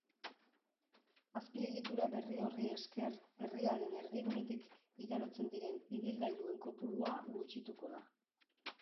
Azpiegitura berri horri esker herriaren erdigunetik igarotzen diren ibilgailuen kopurua gutxituko da.